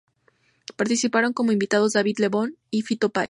Participaron como invitados David Lebón y Fito Páez.